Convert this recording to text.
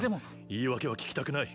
言い訳は聞きたくない。